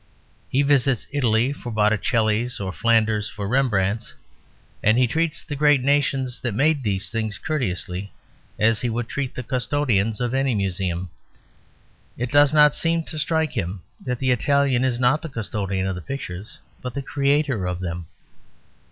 He visits Italy for Botticellis or Flanders for Rembrandts, and he treats the great nations that made these things courteously as he would treat the custodians of any museum. It does not seem to strike him that the Italian is not the custodian of the pictures, but the creator of them.